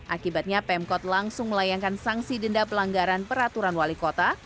akibatnya pemkot langsung melayangkan sanksi denda pelanggaran peraturan wali kota